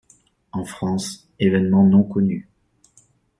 En France, événements non connus.